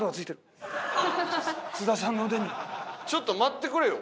ちょっと待ってくれよ。